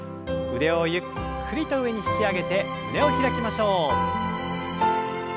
腕をゆっくりと上に引き上げて胸を開きましょう。